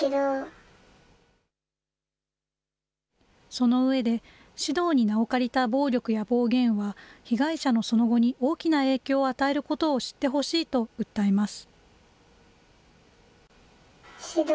その上で、指導に名を借りた暴力や暴言は、被害者のその後に大きな影響を与えることを知ってほしいと訴えます。